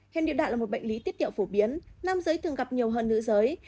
hẹp niệu đạo là một bệnh lý tiết tiểu phổ biến nam giới thường gặp nhiều hơn nữ giới